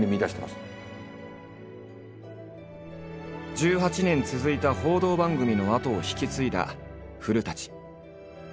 １８年続いた報道番組の後を引き継いだ古。